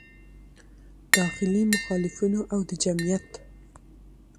داخلي مخالفینو او د جمعیت